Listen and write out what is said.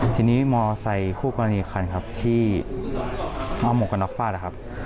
ทีนี้มอเตอร์ไซคู่กรณีคันครับที่อมกรนักฟ้าครับ